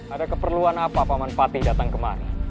ada keperluan apa paman patih datang kemari